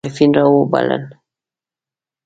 سخت مخالفین را وبلل.